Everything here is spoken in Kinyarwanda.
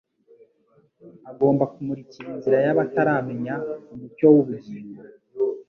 agomba kumurikira inzira y’abataramenya Umucyo w’Ubugingo.